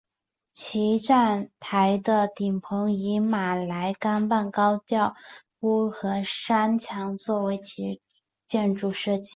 其站台的顶棚以马来甘榜高脚屋和山墙作为其建筑设计。